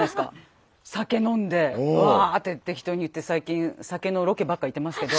酒飲んでわって適当に言って最近酒のロケばっか行ってますけど。